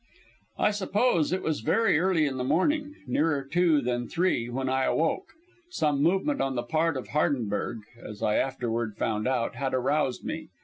I suppose it was very early in the morning nearer two than three when I awoke. Some movement on the part of Hardenberg as I afterward found out had aroused me.